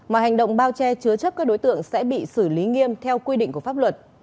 mọi hành động bao che chứa chấp các đối tượng sẽ bị xử lý nghiêm theo quy định của pháp luật